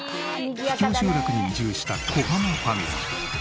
秘境集落に移住した小濱ファミリー。